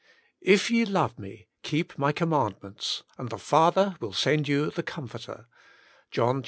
"If ye love Me, Keep My Commandments, and the Father will send you the Comforter" (John xiv.